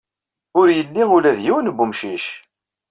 Ur yelli ula d yiwen n wemcic.